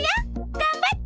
がんばって！